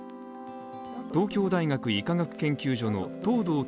東京大学医科学研究所の藤堂具